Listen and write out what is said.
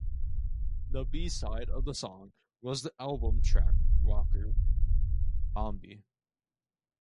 The B-side of the song was the album track rocker, "Bambi".